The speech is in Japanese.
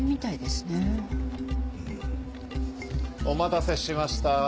お待たせしました。